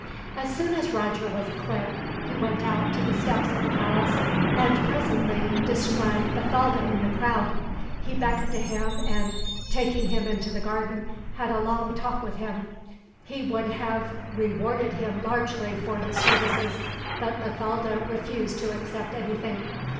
As soon as Roger was equipped, he went out to the steps of the palace, and presently descried Bathalda in the crowd. He beckoned to him and, taking him into the garden, had a long talk with him. He would have rewarded him largely for his services, but Bathalda refused to accept anything.